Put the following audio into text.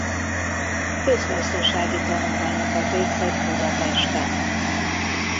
Közgazdasági tanulmányokat végzett Budapesten.